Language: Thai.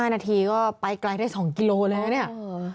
๕นาทีก็ไปไกลได้๒กิโลเลยนะเนี่ย